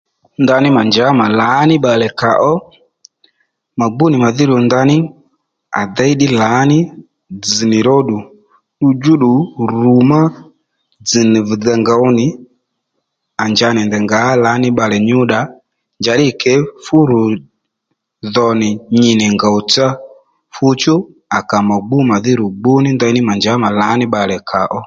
Ndaní mà njǎ mà lǎní bbalè kà ó mà gbú nì màdhí ru ndaní à déy ddí lǎní dzz nì ró ddù ddudjúddù ru má dzz̀ nì vi dey ngǒw nì à nja nì ndèy ngǎ lǎní bbalè nyú dda njàddí ke fú rù dho nì nyi nì ngòwtsá fuchú à kà mà gbú mà dhí rù gbúní ndeyní mà njǎ mà lǎ ní bbalè kà ó